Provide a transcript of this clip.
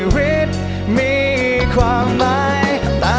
ไปชมกันได้เลย